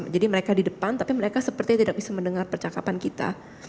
jadi mereka di depan tapi mereka sepertinya tidak bisa mendengar percakapan kita